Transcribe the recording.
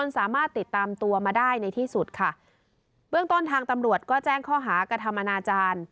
สามารถติดตามตัวมาได้ในที่สุดค่ะเบื้องต้นทางตำรวจก็แจ้งข้อหากระทำอนาจารย์